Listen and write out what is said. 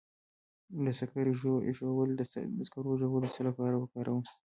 د سقز ژوول د څه لپاره وکاروم؟